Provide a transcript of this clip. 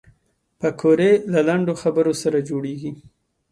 پکورې له لنډو خبرو سره جوړېږي